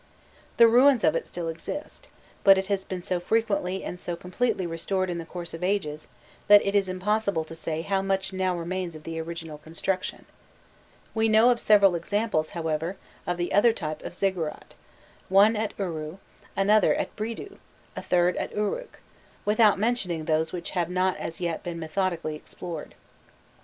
The ruins of it still exist, but it has been so frequently and so completely restored in the course of ages, that it is impossible to say how much now remains of the original construction. We know of several examples, however, of the other type of ziggurat one at Uru, another at Bridu, a third at Uruk, without mentioning those which have not as yet been methodically explored.